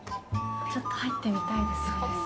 ちょっと入ってみたいですね。